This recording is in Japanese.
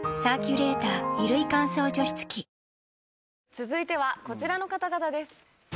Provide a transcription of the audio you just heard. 続いてはこちらの方々です。